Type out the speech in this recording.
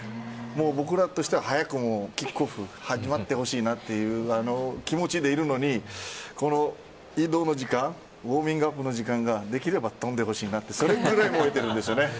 僕らとしては早くキックオフ始まってほしいという気持ちでいるのにこの移動の時間ウオーミングアップの時間ができれば飛んでほしいなとそれぐらいなんですよね。